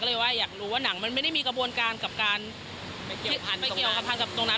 ก็เลยว่าอยากรู้ว่าหนังมันไม่ได้มีกระบวนการกับการไปเกี่ยวกับทางกับตรงนั้น